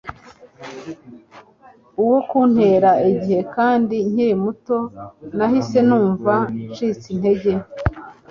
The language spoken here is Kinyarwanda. uwo kuntera igihe kandi nkiri muto Nahise numva ncitsintege